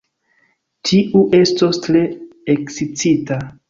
Tiu estos tre ekscita!